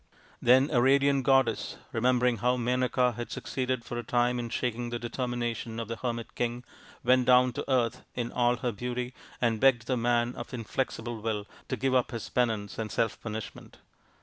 Then a radiant goddess, remembering how Menaka had succeeded for a time in shaking the 218 THE INDIAN STORY BOOK determination of the hermit king, went down to earth in all her beauty and begged the man of inflexible will to give up his penance and self punishment.